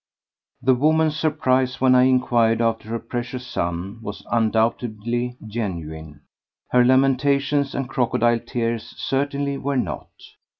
The woman's surprise when I inquired after her precious son was undoubtedly genuine. Her lamentations and crocodile tears certainly were not.